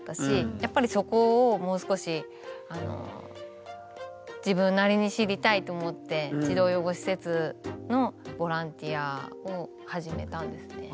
やっぱりそこをもう少し自分なりに知りたいと思って児童養護施設のボランティアを始めたんですね。